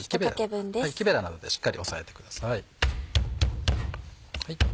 木べらなどでしっかり押さえてください。